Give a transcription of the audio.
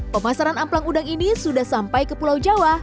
pemasaran amplang udang ini sudah sampai ke pulau jawa